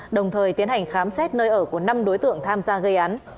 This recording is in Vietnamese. đồng thời tiến hành khám xét nơi ở của năm đối tượng tham gia gây án